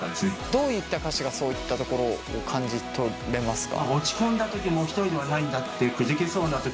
どういった歌詞がそういったところを感じ取れますか？